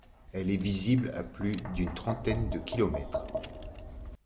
Elle est visible à plus d'une trentaine de kilomètres.